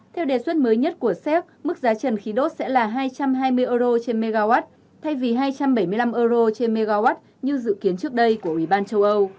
theo đề xuất mới nhất của séc mức giá trần khí đốt sẽ là hai trăm hai mươi euro trên mw thay vì hai trăm bảy mươi năm euro trên mw như dự kiến trước đây của ủy ban châu âu